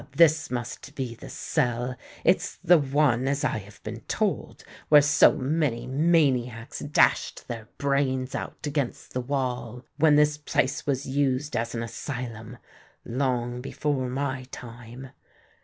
this must be the cell! It's the one, as I have been told, where so many maniacs dashed their brains out against the wall, when this place was used as an asylum—long before my time."